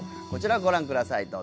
こちらをご覧ください。